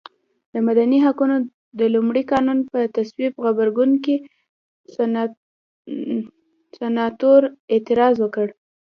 د مدني حقونو د لومړ قانون د تصویب په غبرګون کې سناتور اعتراض وکړ.